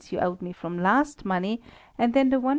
you owed me from last money; and then the 1s.